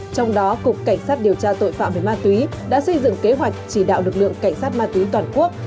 trong đó cục cảnh sát điều tra tội phạm về ma túy đã xây dựng kế hoạch chỉ đạo lực lượng cảnh sát ma túy toàn quốc